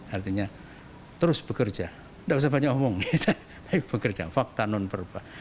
artinya terus bekerja tidak usah banyak omong tapi bekerja fakta non perubah